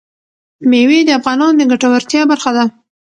مېوې د افغانانو د ګټورتیا برخه ده.